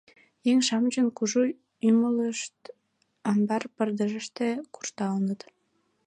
Еҥ-шамычын кужу ӱмылышт амбар пырдыжыште куржталыныт.